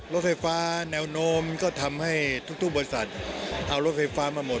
รถไฟฟ้าแนวโน้มก็ทำให้ทุกบริษัทเอารถไฟฟ้ามาหมด